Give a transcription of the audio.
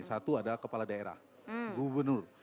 satu adalah kepala daerah gubernur